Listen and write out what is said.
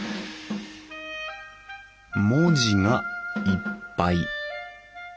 文字がいっぱい。